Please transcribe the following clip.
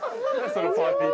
そのパーティー